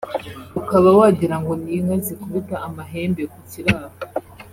ukaba wagira ngo ni inka zikubita amahembe ku kiraro